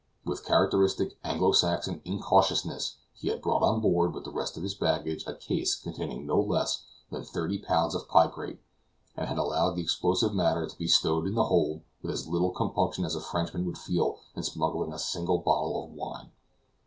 With characteristic Anglo Saxon incautiousness he had brought on board, with the rest of his baggage, a case containing no less than thirty pounds of picrate, and had allowed the explosive matter to be stowed in the hold with as little compunction as a Frenchman would feel in smuggling a single bottle of wine.